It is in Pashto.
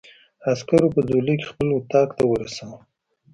عسکرو په ځولۍ کې خپل اتاق ته ورساوه.